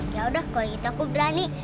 yaudah kalau gitu aku berani